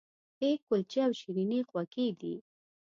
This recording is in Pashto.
کیک، کلچې او شیریني خوږې دي.